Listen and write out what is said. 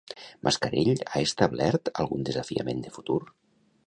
Mascarell ha establert algun desafiament de futur?